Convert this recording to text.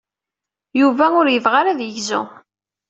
Yuba ur yebɣi ara ad yegzu.